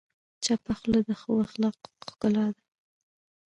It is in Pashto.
چپه خوله، د ښه اخلاقو ښکلا ده.